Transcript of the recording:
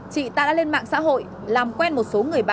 chị ta đã lên mạng xã hội làm quen một số người bạn